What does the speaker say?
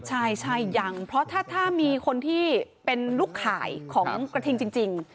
ใช่ยังเพราะถ้ามีคนที่เป็นลูกข่ายของกระทิงจริง